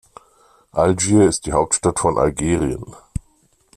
Algier ist die Hauptstadt von Algerien.